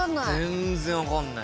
全然分かんない。